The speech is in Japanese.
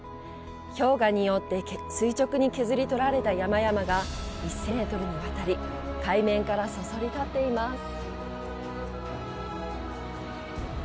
氷河によって垂直に削り取られた山々が１０００メートルにわたり海面からそそり立っています。